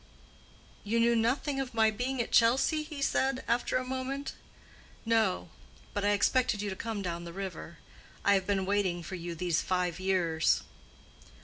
"You knew nothing of my being at Chelsea?" he said, after a moment. "No; but I expected you to come down the river. I have been waiting for you these five years."